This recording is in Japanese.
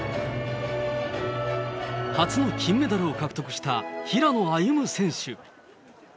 初の金メダルを獲得した平野歩夢選手。